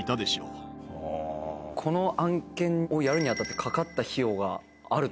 この案件をやるに当たってかかった費用があると思うんです。